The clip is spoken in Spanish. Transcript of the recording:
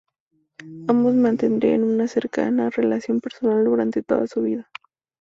Ambos mantendrían una cercana relación personal durante toda su vida.